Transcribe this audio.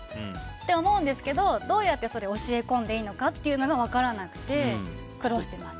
そう思うんですけどどう教え込んでいいのかが分からなくて苦労してます。